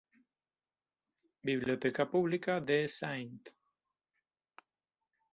Biblioteca Pública de St.